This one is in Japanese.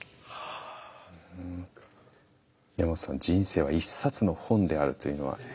「人生は一冊の本である」というのは？